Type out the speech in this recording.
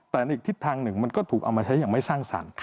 แต่ในอีกทิศทางหนึ่งมันก็ถูกเอามาใช้อย่างไม่สร้างสรรค์